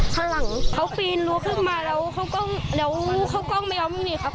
คันหลังเขาปีนรั้วขึ้นมาแล้วเขากล้องแล้วเข้ากล้องไม่ยอมวิ่งหนีครับ